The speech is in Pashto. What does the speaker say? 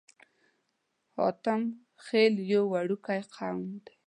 حاتم خيل يو وړوکی قوم دی.